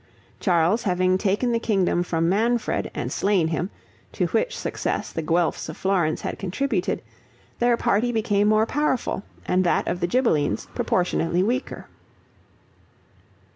Charles having taken the kingdom from Manfred, and slain him, to which success the Guelphs of Florence had contributed, their party became more powerful, and that of the Ghibellines proportionately weaker.